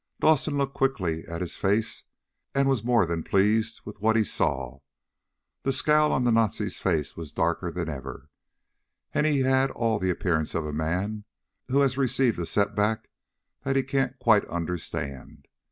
Dawson looked quickly at his face, and was more than pleased with what he saw. The scowl on the Nazi's face was darker than ever, and he had all the appearance of a man who has received a setback that he can't quite understand.